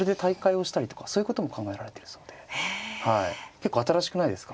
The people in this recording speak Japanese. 結構新しくないですか？